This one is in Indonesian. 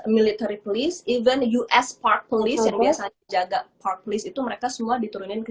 military police even us park police yang biasanya jaga park list itu mereka semua diturunin ke